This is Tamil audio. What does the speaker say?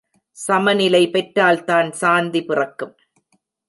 சம நிலை பெற்றால்தான் சாந்தி பிறக்கும்.